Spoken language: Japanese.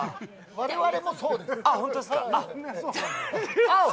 我々もそうです。